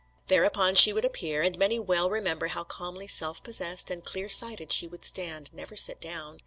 Thereupon she would appear; and many well remember how calmly self possessed, and clear sighted she would stand never sit down.